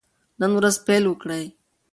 نن ورځ پیل وکړئ.